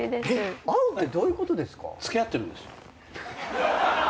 会うってどういうことですか？